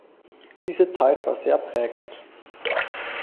Diese Zeit war sehr prägend.